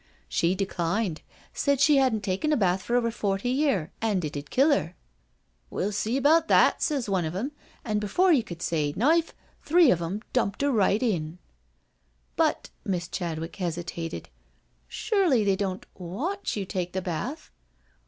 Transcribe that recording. She declined — said she 'adn't taken a bath for over forty year, an' it 'ud kill 'er. ' We'll see 'bout that,' sez one of them, and before you could say ' knife ' three of 'em dumped 'er right in." " But •• Miss Chadwick hesitated. •* Surely they don't watch you take the bath?"